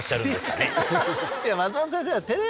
松本先生は。